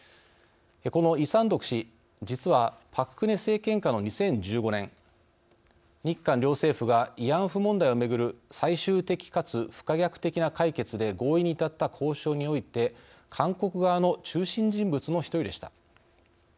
このイ・サンドク氏、実はパク・クネ政権下の２０１５年日韓両政府が慰安婦問題をめぐる最終的かつ不可逆的な解決で合意に至った交渉において韓国側の中心人物の１人でした。